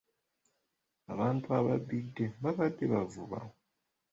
Abantu ababbidde baabadde bavuba.